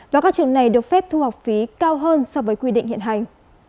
và các trường này được phép thu học phí cao hơn so với quy định hiện hành